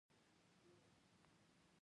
علم د ذهنونو د پراختیا وسیله ده.